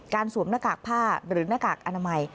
สวมหน้ากากผ้าหรือหน้ากากอนามัย